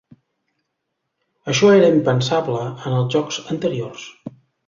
Això era impensable en els jocs anteriors.